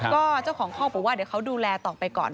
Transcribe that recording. ก็เจ้าของห้องบอกว่าเดี๋ยวเขาดูแลต่อไปก่อน